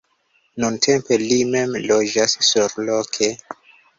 Nuntempe li mem loĝas surloke.